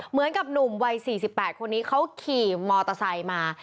เหมือนกับหนุ่มวัย๔๘คนนี้เขาขี่มอเตอร์ไซค์มา